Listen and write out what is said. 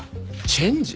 チェンジ。